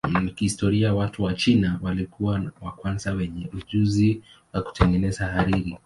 Kihistoria watu wa China walikuwa wa kwanza wenye ujuzi wa kutengeneza hariri.